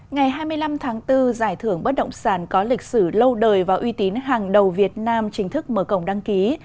ngày hai mươi năm tháng bốn giải thưởng bất động sản có lịch sử lâu đời và uy tín hàng đầu việt nam chính thức mở cổng đăng ký